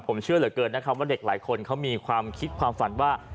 ผมเชื่อเหลือเกินนะครับว่าเด็กหลายคนเขามีความคิดความฝันว่า